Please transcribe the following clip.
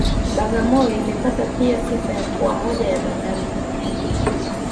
Bagamoyo imepata pia sifa ya kuwa moja ya bandari kuu